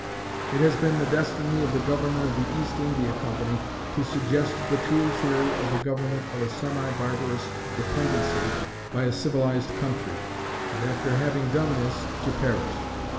It has been the destiny of the government of the East India Company to suggest the true theory of the government of a semi barbarous dependency by a civilized country, and after having done this, to perish.